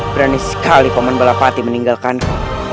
berani sekali pemen balap hati meninggalkanku